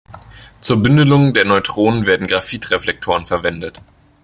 Zur Bündelung der Neutronen werden Graphit-Reflektoren verwendet.